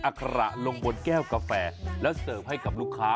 ขระลงบนแก้วกาแฟแล้วเสิร์ฟให้กับลูกค้า